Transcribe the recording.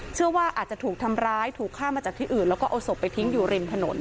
เชื่อว่าอาจจะถูกทำร้ายถูกฆ่ามาจากที่อื่นแล้วก็เอาศพไปทิ้งอยู่ริมถนน